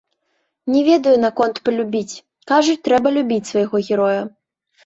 Не ведаю наконт палюбіць, кажуць, трэба любіць свайго героя.